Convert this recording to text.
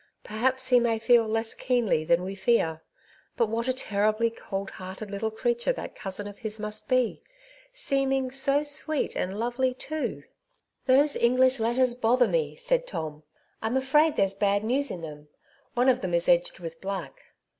Perhaps he may feel less keenly than we fear. But what a terribly cold hearted little creature that cousin of his must be — seeming so sweet and lovely, too !" Saved as by Fire. 221 ''Those English letters bother me," said Tom, '• I'm afraid there^s bad news in them ; one of them is edged with black.